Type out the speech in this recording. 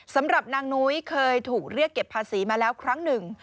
สำหรับนางนุ้ยเคยถูกเรียกเก็บภาษีมาแล้วครั้งหนึ่ง